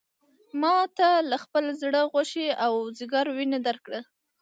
ما تا له خپل زړه غوښې او ځیګر وینه درکړه.